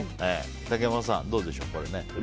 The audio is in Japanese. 竹山さん、どうでしょう？